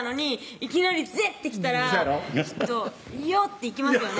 いきなり「ぜ！」って来たらきっと「よ！」って行きますよね